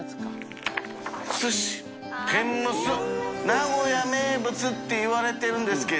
淵船礇鵝名古屋名物っていわれているんですけど